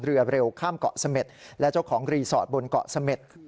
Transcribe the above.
เรือเร็วข้ามเกาะเสม็ดและเจ้าของรีสอร์ทบนเกาะเสม็ด